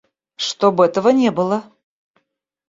Чтоб этого не было.